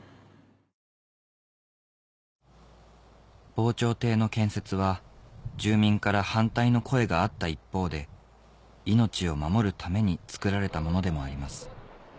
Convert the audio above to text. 防潮堤の建設はがあった一方で命を守るために造られたものでもあります